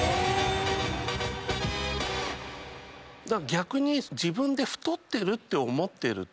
逆に自分で太ってるって思ってると。